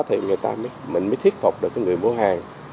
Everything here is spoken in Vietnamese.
thì mình mới thiết phục được người mua hàng